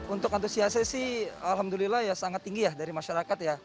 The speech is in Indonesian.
untuk antusiasme sih alhamdulillah sangat tinggi dari masyarakat